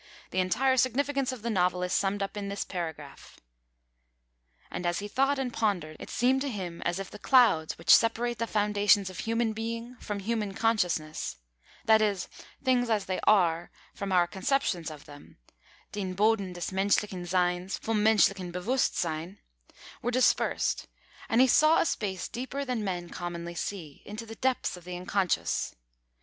The entire significance of the novel is summed up in this paragraph: "And as he thought and pondered, it seemed to him as if the clouds which separate the foundations of human being from human consciousness" (that is, things as they are from our conceptions of them, den Boden des menschlichen Seins vom menschlichen Bewusstsein) "were dispersed, and he saw a space deeper than men commonly see, into the depths of the unconscious.